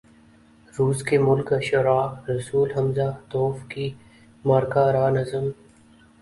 روس کے ملک اشعراء رسول ہمزہ توف کی مارکہ آرا نظم